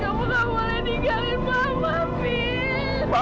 kamu gak boleh tinggalin mama ibu